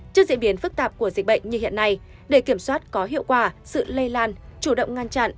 trước diễn biến phức tạp của dịch bệnh như hiện nay để kiểm soát có hiệu quả sự lây lan chủ động ngăn chặn